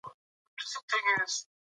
څېړنو دا پایله ښودلې ده.